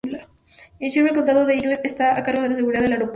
El Sheriff del Condado de Eagle está a cargo de la seguridad del aeropuerto.